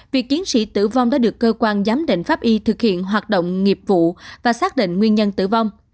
việc tiến sĩ tử vong đã được cơ quan giám định pháp y thực hiện hoạt động nghiệp vụ và xác định nguyên nhân tử vong